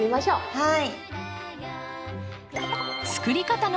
はい。